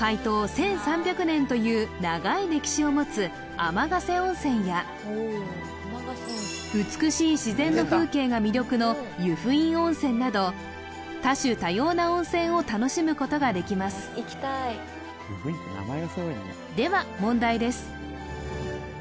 １３００年という長い歴史を持つ天ヶ瀬温泉や美しい自然の風景が魅力の湯布院温泉など多種多様な温泉を楽しむことができますでは問題です